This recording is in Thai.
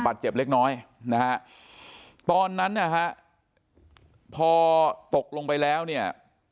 เจ็บเล็กน้อยนะฮะตอนนั้นนะฮะพอตกลงไปแล้วเนี่ย